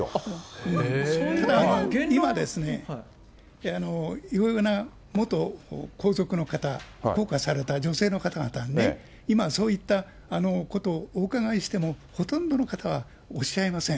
そういうのは、今ですね、いろいろな元皇族の方、降嫁された女性の方々、今そういったことをお伺いしてもほとんどの方はおっしゃいません。